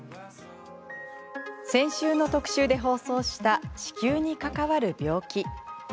先週の特集で放送した子宮に関わる病気。